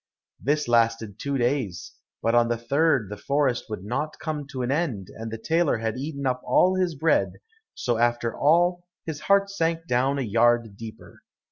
This lasted two days, but on the third the forest would not come to an end, and the tailor had eaten up all his bread, so after all his heart sank down a yard deeper.